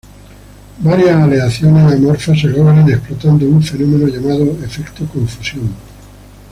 Varias aleaciones amorfas se logran explotando un fenómeno llamado efecto ""confusión"".